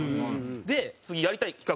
で次やりたい企画